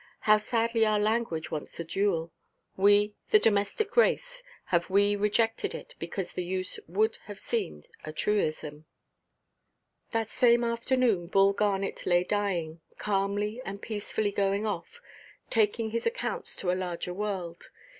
How sadly our language wants a dual! We, the domestic race, have we rejected it because the use would have seemed a truism? That same afternoon Bull Garnet lay dying, calmly and peacefully going off, taking his accounts to a larger world.